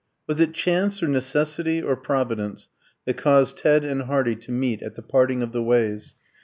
Was it Chance, or Necessity, or Providence, that caused Ted and Hardy to meet at the parting of the ways?